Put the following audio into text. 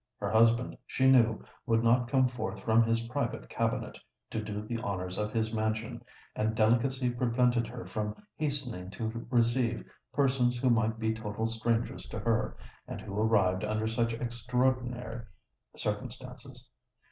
Her husband, she knew, would not come forth from his private cabinet to do the honours of his mansion; and delicacy prevented her from hastening to receive persons who might be total strangers to her, and who arrived under such extraordinary circumstances.